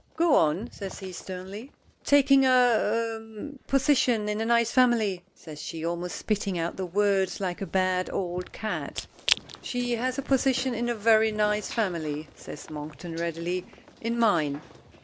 "Go on," says he, sternly. "Taking a er position in a nice family," says she, almost spitting out the words like a bad old cat. "She has a position in a very nice family," says Monkton readily. "In mine!